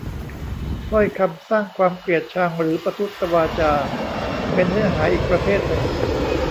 ถ้อยคำสร้างความเกลียดชัง หรือ ประทุษวาจา เป็นเนื้อหาอีกประเภทหนึ่ง